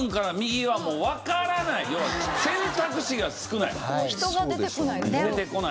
要は選択肢が少ない。